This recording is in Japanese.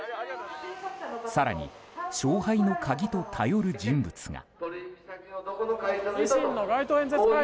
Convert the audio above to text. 更に、勝敗の鍵と頼る人物が。